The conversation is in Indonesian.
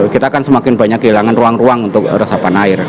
kita akan semakin banyak kehilangan ruang ruang untuk resapan air